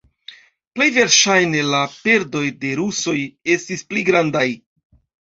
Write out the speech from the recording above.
Plej verŝajne la perdoj de rusoj estis pli grandaj.